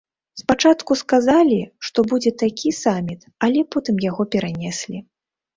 Спачатку сказалі, што будзе такі саміт, але потым яго перанеслі.